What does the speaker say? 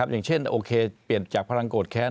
อย่างเช่นโอเคเปลี่ยนจากพลังโกรธแค้น